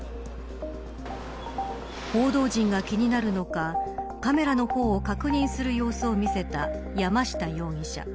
報道陣が気になるのかカメラの方を確認する様子を見せた山下容疑者。